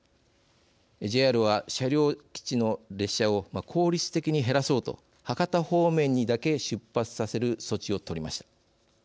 ＪＲは、車両基地の列車を効率的に減らそうと博多方面にだけ出発させる措置を取りました。